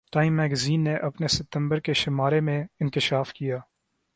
time magazine نے اپنے ستمبر کے شمارے میں انکشاف کیا